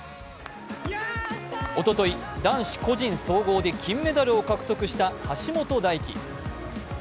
おととい、男子個人総合で金メダルを獲得した橋本大輝。